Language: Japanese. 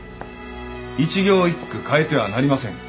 一行一句変えてはなりません。